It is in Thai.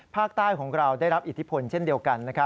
ภาคใต้ของเราได้รับอิทธิพลเช่นเดียวกัน